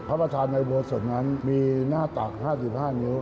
พระประธานในอุโบสถนั้นมีหน้าตัก๕๕นิ้ว